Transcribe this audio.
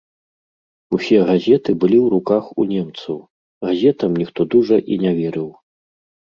Усе газеты былі ў руках у немцаў, газетам ніхто дужа і не верыў.